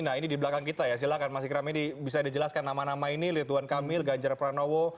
nah ini di belakang kita ya silahkan mas ikram ini bisa dijelaskan nama nama ini ridwan kamil ganjar pranowo